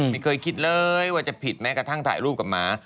ไม่เคยคิดเลยว่าจะผิดแม้กระทั่งถ่ายรูปกับหมา